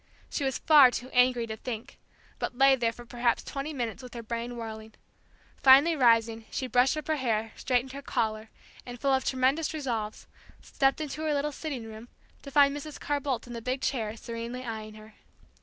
She was far too angry to think, but lay there for perhaps twenty minutes with her brain whirling. Finally rising, she brushed up her hair, straightened her collar, and, full of tremendous resolves, stepped into her little sitting room, to find Mrs. Carr Boldt in the big chair, serenely eyeing her.